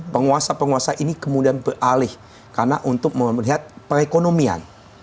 penguasa penguasa ini kemudian beralih karena untuk melihat perekonomian